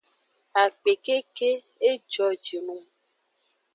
Akpe keke; ejojinung.